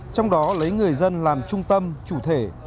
trong đó lấy người dân làm trung tâm chủ thể